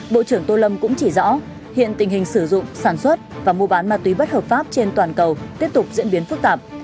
bộ trưởng tô lâm cũng chỉ rõ hiện tình hình sử dụng sản xuất và mua bán ma túy bất hợp pháp trên toàn cầu tiếp tục diễn biến phức tạp